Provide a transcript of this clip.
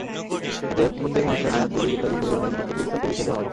এতে প্রত্যেক মানুষের হায়াত, রিজিক, ইত্যাদির পরিমাণ নির্দিষ্ট ফেরেশতাকে লিখে দেওয়া হয়।